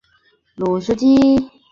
仁井田站的铁路车站。